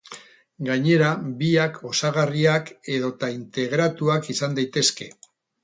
Gainera, biak osagarriak edota integratuak izan daitezke.